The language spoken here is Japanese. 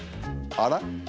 あら？